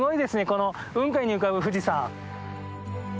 この雲海に浮かぶ富士山。